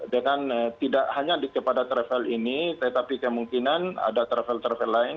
dengan tidak hanya kepada travel ini tetapi kemungkinan ada travel travel lain